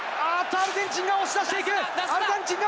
アルゼンチンが押し出していく！